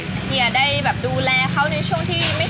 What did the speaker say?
เนี่ยได้แบบดูแลเขาในช่วงที่ไม่